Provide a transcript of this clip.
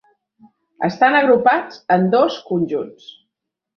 Estan agrupats en dos conjunts.